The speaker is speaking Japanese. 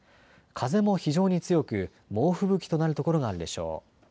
風も非常に強く猛吹雪となる所があるでしょう。